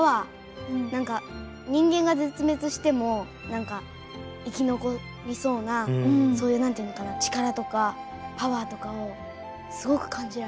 なんか人間が絶滅してもなんか生き残りそうなそういうなんていうのかな力とかパワーとかをすごく感じられました。